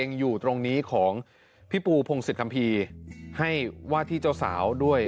อยู่ตรงนี้ของพี่ปูพงศิษยคัมภีร์ให้ว่าที่เจ้าสาวด้วย